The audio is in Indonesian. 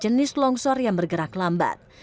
jenis longsor yang bergerak lambat